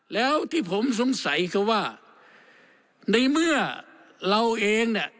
แล้วที่ผมสงสัยคือว่าในเมื่อเราเองเนี่ย